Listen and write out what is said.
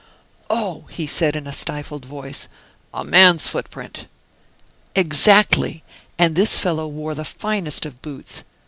"Oh!" said he in a stifled voice, "a man's footprint!" "Exactly. And this fellow wore the finest of boots.